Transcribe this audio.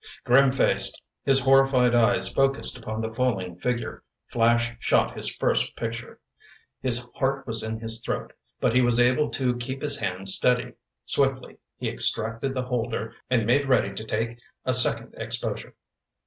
Grim faced, his horrified eyes focused upon the falling figure, Flash shot his first picture. His heart was in his throat, but he was able to keep his hand steady. Swiftly he extracted the holder and made ready to take a second exposure.